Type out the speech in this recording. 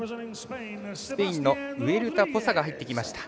スペインのウエルタポサが入ってきました。